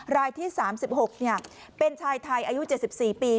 รายที่๓๖เป็นชายไทยอายุ๗๔ปี